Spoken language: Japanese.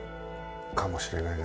かもしれないな。